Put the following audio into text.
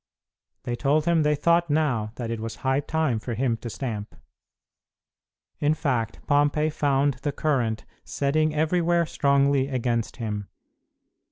They told him they thought now that it was high time for him to stamp. In fact, Pompey found the current setting everywhere strongly against him.